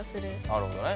なるほどね。